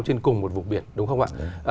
trên cùng một vùng biển đúng không ạ